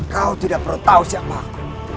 kau tidak perlu tahu siapa aku